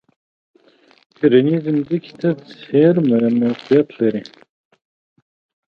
کرنیزې ځمکې ته څېرمه موقعیت لري.